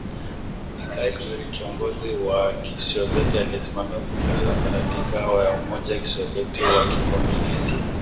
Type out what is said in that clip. Mikhail Gorbachev kiongozi wa Kisovyeti aliyesimamia kusambaratika ya Umoja wa KisovyetiUtawala wa kikomunisti